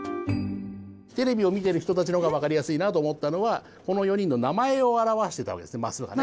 テレビを見てる人たちのほうがわかりやすいなと思ったのはこの４人の名前をあらわしてたわけですねマスがね。